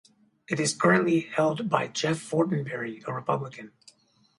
It is currently held by Jeff Fortenberry, a Republican.